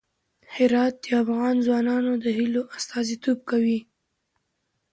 هرات د افغان ځوانانو د هیلو استازیتوب کوي.